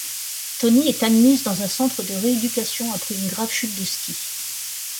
Tony est admise dans un centre de rééducation après une grave chute de ski.